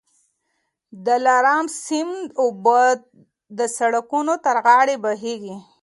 د دلارام سیند اوبه د سړکونو تر غاړه بهېږي.